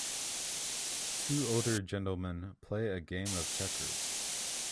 Two older gentlemen play a game of checkers.